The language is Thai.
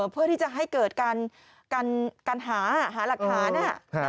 เพื่อที่จะให้เกิดการหาหลักฐาน